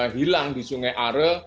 hilang di sungai are